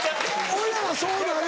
俺はそうなる。